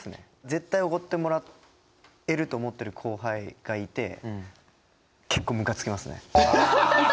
絶対おごってもらえると思ってる後輩がいて結構ムカつきますね。